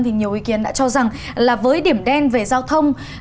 thì nhiều ý kiến đã cho rằng là với điểm đen về giao thông